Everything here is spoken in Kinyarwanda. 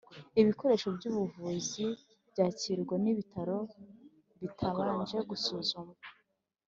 Ibikoresho by ubuvuzi byakirwa n Ibitaro bitabanje gusuzumwa